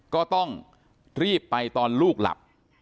ก็ต้องรีบไปตอนลูกหลับ